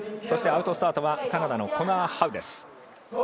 そしてアウトスタートはカナダのコナー・ハウ。